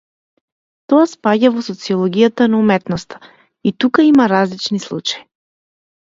Тоа спаѓа во социологијата на уметноста и тука има различни случаи.